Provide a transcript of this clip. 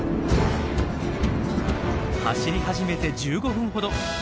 走り始めて１５分ほど。